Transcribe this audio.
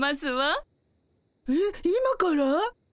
えっ今から？